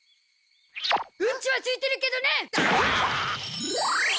うんちは付いてるけどね！